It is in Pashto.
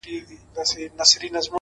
د هدف وضاحت د ذهن لارې صفا کوي,